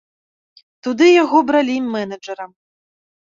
Туды яго бралі менеджэрам.